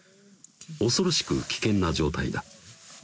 恐ろしく危険な状態だ